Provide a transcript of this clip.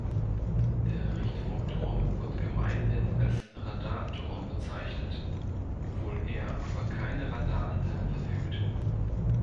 Der Richtfunkturm wird gemeinhin als Radarturm bezeichnet, obwohl er über keine Radarantenne verfügt.